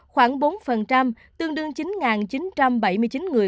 khoảng bốn tương đương chín chín trăm bảy mươi chín người